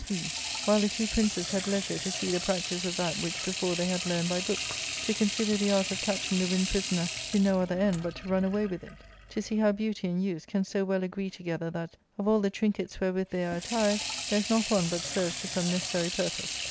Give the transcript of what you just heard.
speed, while the two princes had leisure to see the practice • of that which before they had learned by books — to consider .^ the art of catching the wind prisoner to no other end but to yrun away with it ; to see how. beauty and use can so well \/ agree together that, of all the trinkets wherewith they are attired, there is not one but serves to some necessary pur pose.